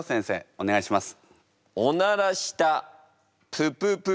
お願いします！